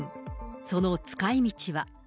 その使いみちは。